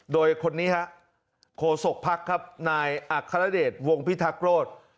โดยคนนี้ครับโขสกพักษ์ครับนายอักษรเดชวงพิธักรส